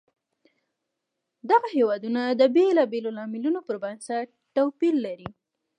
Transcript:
دغه هېوادونه د بېلابېلو لاملونو پر بنسټ توپیر لري.